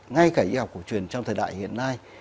ngay cả y học cổ truyền trong thời đại hiện nay